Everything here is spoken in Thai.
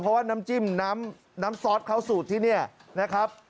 เพราะว่าน้ำจิ้มน้ำซอสเข้าสูตรที่นี่นะครับ